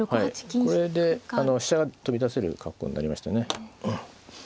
これで飛車が飛び出せる格好になりましたね。